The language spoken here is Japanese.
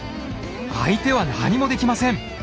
相手は何もできません！